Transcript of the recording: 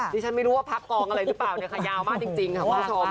ดิฉันไม่รู้ว่าพักกองอะไรหรือเปล่าเนี่ยค่ะยาวมากจริงค่ะคุณผู้ชม